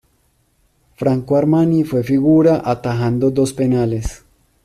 Franco Armani fue figura atajando dos penales.